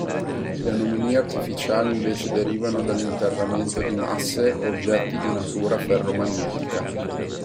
Le anomalie artificiali invece derivano dall'interramento di masse o oggetti di natura ferro-magnetica.